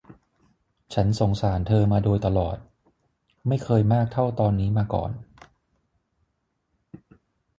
ฉันสงสารเธอมาโดยตลอด ไม่เคยมากเท่าตอนนี้มาก่อน